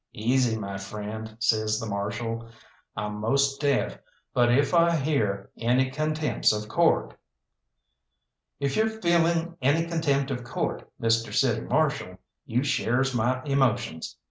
"Easy, my friend," says the Marshal, "I'm 'most deaf, but if I hear any contempts of court " "If you're feeling any contempt of court, Mr. City Marshal, you shares my emotions.